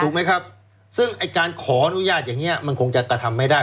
ไหมครับซึ่งไอ้การขออนุญาตอย่างนี้มันคงจะกระทำไม่ได้